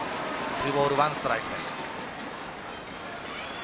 ２ボール１ストライクです。